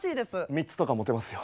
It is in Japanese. ３つとか持てますよ。